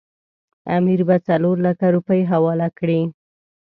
امیر به څلورلکه روپۍ حواله کړي.